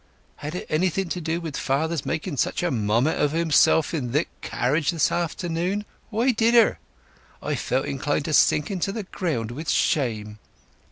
"Had it anything to do with father's making such a mommet of himself in thik carriage this afternoon? Why did 'er? I felt inclined to sink into the ground with shame!"